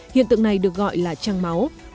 hiện tượng này được gọi là trăng máu